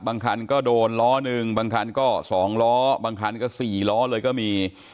บางคันก็โดนล้อหนึ่งบางคันก็๒ล้อบางคันก็๔ล้อเลยก็มี